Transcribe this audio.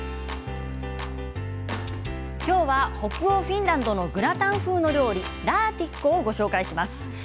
今日は北欧フィンランドのグラタン風の料理、ラーティッコをご紹介します。